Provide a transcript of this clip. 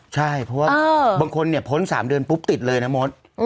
ใช่เพราะว่าบางคนเนี่ยพ้น๓เดือนปุ๊บติดเลยนะมด